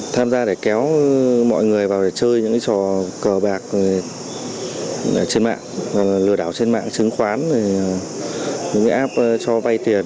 tham gia để kéo mọi người vào chơi những cái trò cờ bạc trên mạng lừa đảo trên mạng trứng khoán những cái app cho vay tiền